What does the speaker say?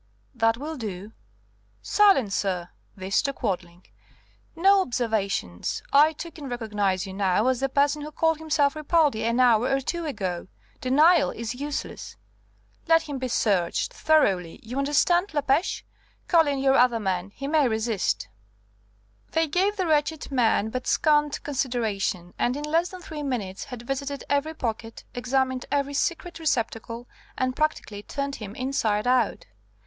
"That will do. Silence, sir!" This to Quadling. "No observations. I too can recognize you now as the person who called himself Ripaldi an hour or two ago. Denial is useless. Let him be searched; thoroughly, you understand, La Pêche? Call in your other men; he may resist." They gave the wretched man but scant consideration, and in less than three minutes had visited every pocket, examined every secret receptacle, and practically turned him inside out.